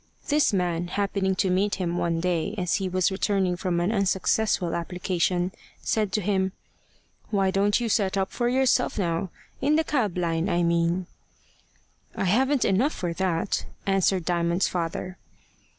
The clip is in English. This man, happening to meet him one day as he was returning from an unsuccessful application, said to him: "Why don't you set up for yourself now in the cab line, I mean?" "I haven't enough for that," answered Diamond's father.